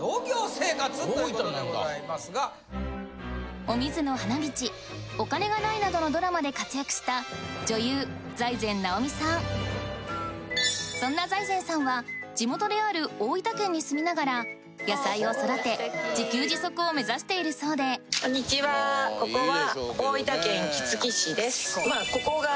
ということでございますが。などのドラマで活躍したそんな財前さんは地元である大分県に住みながら野菜を育て自給自足を目指しているそうでこんにちはここは。